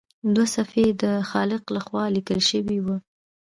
دوه صفحې یې د خالق لخوا لیکل شوي وي.